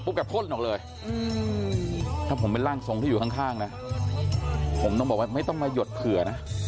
แกพ่นออกเลยถ้าผมเป็นร่างทรงที่อยู่ข้างนะผมต้องบอกว่าไม่ต้องมาหยดเผื่อนะ